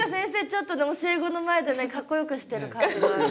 ちょっとね教え子の前でねかっこよくしてる感じはある。